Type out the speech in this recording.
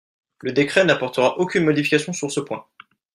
Le décret n’apportera aucune modification sur ce point.